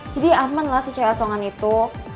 jadi aman lah si cewek asokan itu